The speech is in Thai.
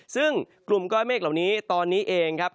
ซึ่งกลุ่มก้อนเมฆเหล่านี้ตอนนี้เองครับ